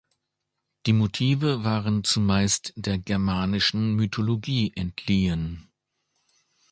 Die Motive waren zumeist der germanischen Mythologie entliehen.